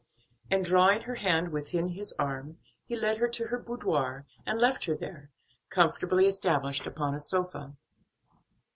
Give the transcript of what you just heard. And drawing her hand within his arm, he led her to her boudoir and left her there, comfortably established upon a sofa.